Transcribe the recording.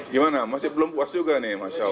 gimana masih belum puas juga nih masya allah